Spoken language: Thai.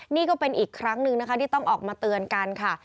นี่ก็เป็นอีกครั้งหนึ่งนะคะที่ต้องออกมาเตือนกันค่ะ